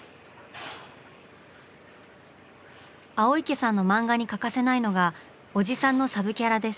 青池さんの漫画に欠かせないのがおじさんのサブキャラです。